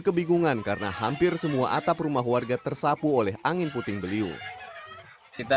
kebingungan karena hampir semua atap rumah warga tersapu oleh angin puting beliung kita